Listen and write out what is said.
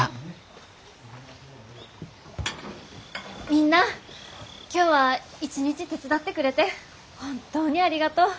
みんな今日は一日手伝ってくれて本当にありがとう！